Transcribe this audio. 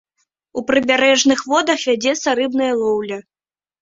У прыбярэжных водах вядзецца рыбная лоўля.